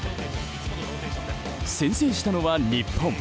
先制したのは日本。